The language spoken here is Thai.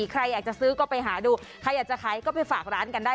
ใครอยากจะซื้อก็ไปหาดูใครอยากจะขายก็ไปฝากร้านกันได้